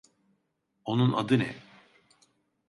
Onun adı ne?